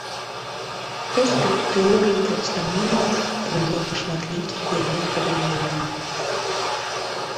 Поспех тэорыі прадстаўленняў прывёў да шматлікіх яе абагульненняў.